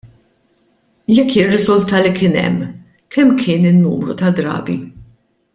Jekk jirriżulta li kien hemm, kemm kien in-numru ta' drabi?